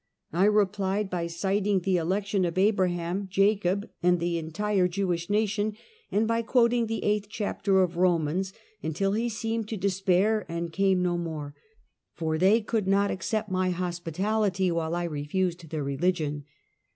I replied by citing the election of Abraham, Jacob, and the entire Jewish nation, and by quoting the 8th chapter of Romans, until he seemed to despair and came no more, for they could not ac cept my hospitality while I refused their religion.